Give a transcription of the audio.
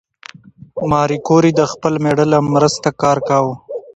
ماري کوري د خپل مېړه له مرسته کار کاوه.